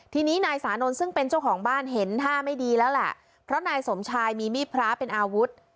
ทีนี้นายสานนท์ซึ่งเป็นเจ้าของบ้านเห็นท่าไม่ดีแล้วแหละเพราะนายสมชายมีมีดพระเป็นอาวุธ